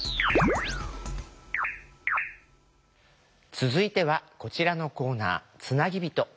続いてはこちらのコーナー「つなぎびと」。